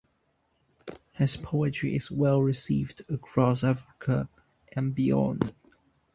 His poetry is well received across Africa and beyond.